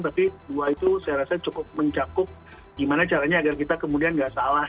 tapi dua itu saya rasa cukup mencakup gimana caranya agar kita kemudian nggak salah